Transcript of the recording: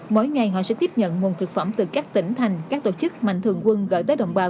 mỗi ngày họ sẽ tiếp nhận nguồn thực phẩm từ các tỉnh thành các tổ chức mạnh thường quân gửi tới đồng bào